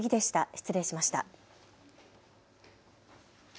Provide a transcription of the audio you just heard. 失礼しました。